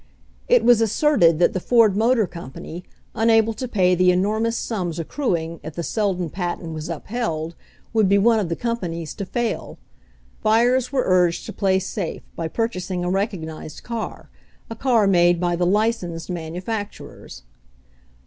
It was asserted that the Ford Motor Company, unable to pay the enormous sums accruing if the Seldon patent was upheld, would be one of the companies to fail. Buyers were urged to play safe by purchasing a recognized car — a car made by the licensed manufacturers.